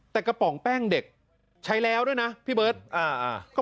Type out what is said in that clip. แต่กระป๋องแป้งเด็กใช้แล้วด้วยนะพี่เบิร์ต